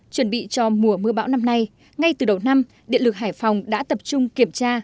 chuẩn bị cho mùa mưa bão năm nay ngay từ đầu năm điện lực hải phòng đã tập trung kiểm tra